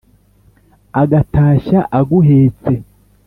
Agatashya aguhetse